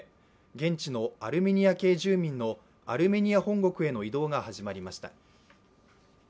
現地のアルメニア系住民のアルメニア本国への移動が始まりました。